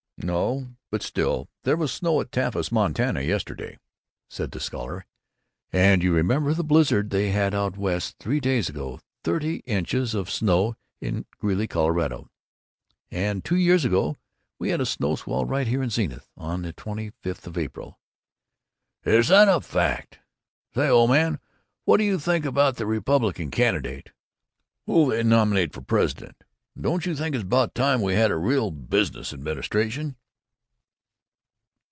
"No, but still, there was snow at Tiflis, Montana, yesterday," said the Scholar, "and you remember the blizzard they had out West three days ago thirty inches of snow at Greeley, Colorado and two years ago we had a snow squall right here in Zenith on the twenty fifth of April." "Is that a fact! Say, old man, what do you think about the Republican candidate? Who'll they nominate for president? Don't you think it's about time we had a real business administration?"